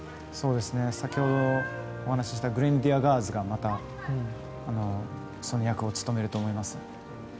先ほどお話ししたグレナディアガーズがまたその役を務めると思います。